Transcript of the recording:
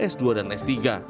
s dua dan s tiga